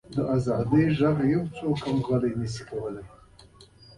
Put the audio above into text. د ازادۍ ږغ هیڅوک غلی نه شي کولی.